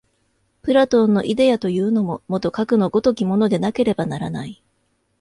プラトンのイデヤというのも、もとかくの如きものでなければならない。